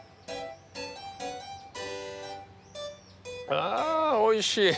あおいしい。